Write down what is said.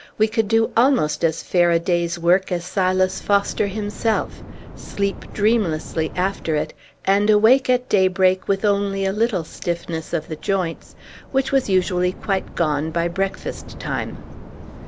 We could do almost as fair a day's work as Silas Foster himself, sleep dreamlessly after it, and awake at daybreak with only a little stiffness of the joints, which was usually quite gone by breakfast time.